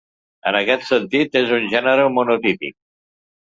En aquest sentit és un gènere monotípic.